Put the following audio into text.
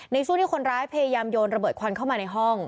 ในช่วงที่คนร้ายพยายามโยนระเบิดควันเข้ามาในห้อง